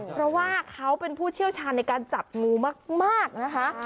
เพราะว่าเขาเป็นผู้เชี่ยวชาญในการจับงูมากนะคะ